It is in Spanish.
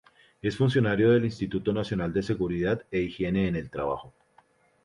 Es funcionario del Instituto Nacional de Seguridad e Higiene en el Trabajo.